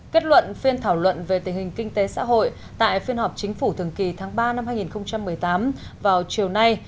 kết luận phiên thảo luận về tình hình kinh tế xã hội tại phiên họp chính phủ thường kỳ tháng ba năm hai nghìn một mươi tám vào chiều nay